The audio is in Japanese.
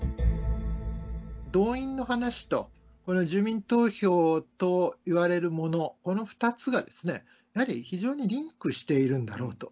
動員の話と住民投票といわれるもの、この２つがやはり非常にリンクしているんだろうと。